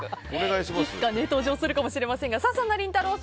いつか登場するかもしれませんがそんなりんたろー。